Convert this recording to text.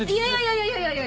いやいやいや！